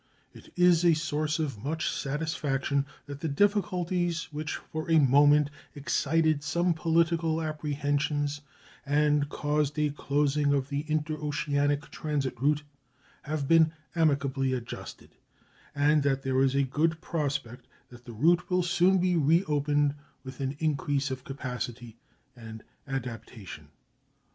It is a source of much satisfaction that the difficulties which for a moment excited some political apprehensions and caused a closing of the interoceanic transit route have been amicably adjusted, and that there is a good prospect that the route will soon be reopened with an increase of capacity and adaptation.